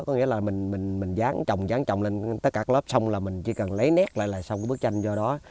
có nghĩa là mình dán trồng lên tất cả lớp xong là mình chỉ cần lấy nét lại là xong bức tranh do đó